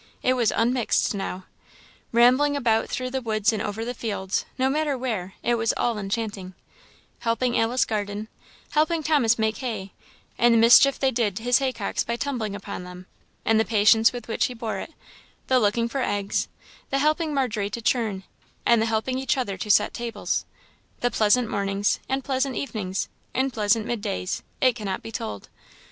It was unmixed now. Rambling about through the woods and over the fields, no matter where, it was all enchanting; helping Alice garden; helping Thomas make hay, and the mischief they did his haycocks by tumbling upon them, and the patience with which he bore it; the looking for eggs; the helping Margery to churn, and the helping each other to set tables; the pleasant mornings, and pleasant evenings, and pleasant mid days it cannot be told.